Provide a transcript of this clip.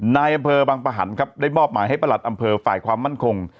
นายอำเบิกบางประหันฯได้มอบมาให้ประหลัดอำเบิกฝ่ายความมั่นคง